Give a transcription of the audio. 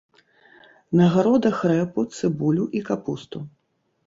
На гародах рэпу, цыбулю і капусту.